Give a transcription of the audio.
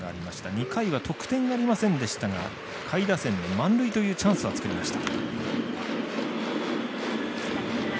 ２回は得点ありませんでしたが下位打線で満塁というチャンスは作りました。